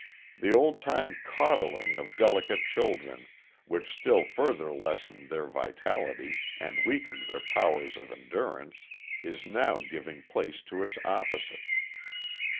"The old time coddling of delicate children, which still further lessened their vitality and weakened their powers of endurance, is now giving place to its opposite.